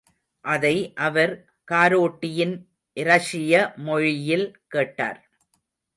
அதை அவர் காரோட்டியின் இரஷிய மொழியில் கேட்டார்.